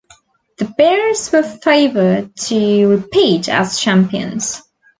The Bears were favored to repeat as champions.